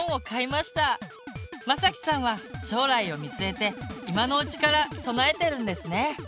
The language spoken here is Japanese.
まさきさんは将来を見据えて今のうちから備えてるんですね。